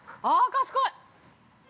賢い。